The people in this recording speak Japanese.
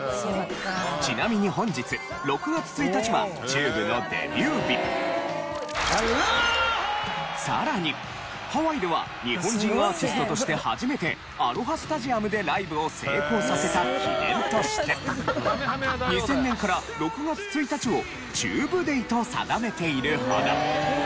ちなみに本日さらにハワイでは日本人アーティストとして初めてアロハスタジアムでライブを成功させた記念として２０００年から６月１日をＴＵＢＥＤＡＹと定めているほど。